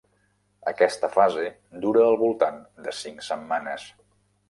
Aquesta fase dura al voltant de cinc setmanes.